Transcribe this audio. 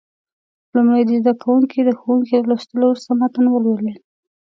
لومړی دې زده کوونکي د ښوونکي له لوستلو وروسته متن ولولي.